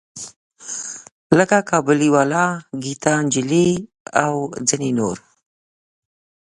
لکه کابلی والا، ګیتا نجلي او ځینې نور.